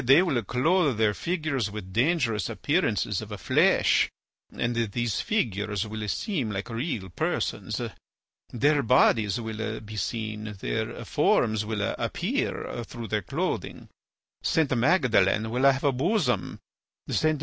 They will clothe their figures with dangerous appearances of flesh, and these figures will seem like real persons. Their bodies will be seen; their forms will appear through their clothing. St. Magdalen will have a bosom. St.